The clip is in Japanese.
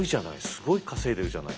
すごい稼いでるじゃない。